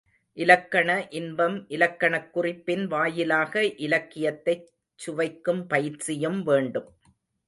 இலக்கண இன்பம் இலக்கணக் குறிப்பின் வாயிலாக இலக்கியத்தைச் சுவைக்கும் பயிற்சியும் வேண்டும்.